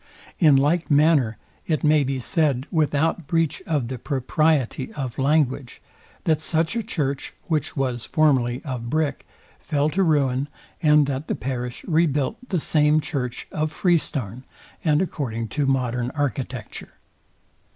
In like manner it may be said without breach of the propriety of language, that such a church, which was formerly of brick, fell to ruin, and that the parish rebuilt the same church of free stone, and according to modern architecture.